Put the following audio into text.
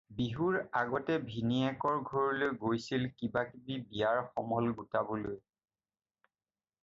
বিহুৰ আগতে ভিনীহিয়েকৰ ঘৰলৈ গৈছিল কিবা-কিবি বিয়াৰ সমল গোটাবলৈ।